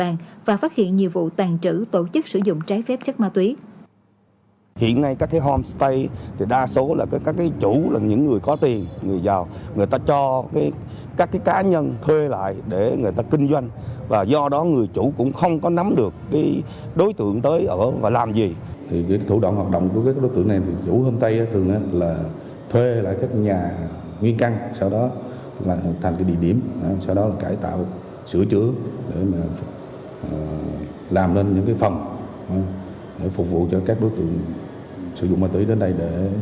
nhiều vụ tàn trữ tổ chức sử dụng trái phép chất ma túy